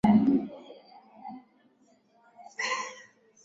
Lugha ya taifa, nchini Kenya ni Kiswahili; Uganda ni Kiganda.